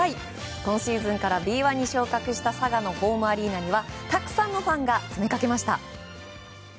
今シーズンからＢ１に昇格した佐賀のホームアリーナにはたくさんのファンが詰めかけました。